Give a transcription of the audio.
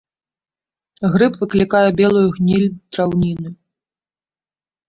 Грыб выклікае белую гніль драўніны.